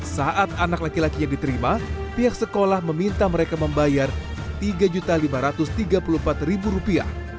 saat anak laki lakinya diterima pihak sekolah meminta mereka membayar rp tiga lima ratus tiga puluh empat rupiah